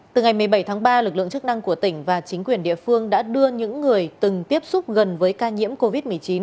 từ ngày một mươi bảy tháng ba lực lượng chức năng của tỉnh và chính quyền địa phương đã đưa những người từng tiếp xúc gần với ca nhiễm covid một mươi chín